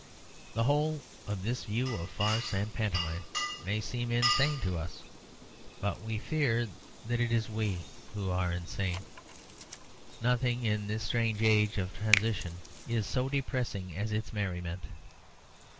The whole of this view of farce and pantomime may seem insane to us; but we fear that it is we who are insane. Nothing in this strange age of transition is so depressing as its merriment.